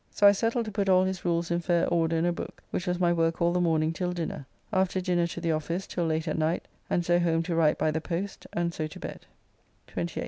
So I settled to put all his rules in fair order in a book, which was my work all the morning till dinner. After dinner to the office till late at night, and so home to write by the post, and so to bed. 28th.